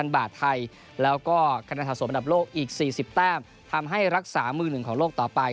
บาทไทยแล้วก็คะแนนสะสมอันดับโลกอีก๔๐แต้มทำให้รักษามือหนึ่งของโลกต่อไป